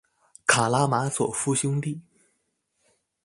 卡拉馬佐夫兄弟